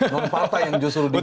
namun partai yang justru dibilih